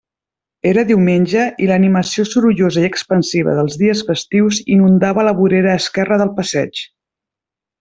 Era diumenge, i l'animació sorollosa i expansiva dels dies festius inundava la vorera esquerra del passeig.